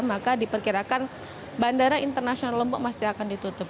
maka diperkirakan bandara internasional lombok masih akan ditutup